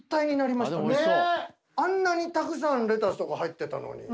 あんなにたくさんレタスとか入ってたのに。